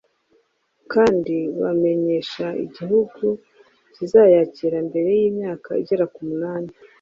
kandi bakamenyesha igihugu kizayakira mbere y’imyaka igera ku munani.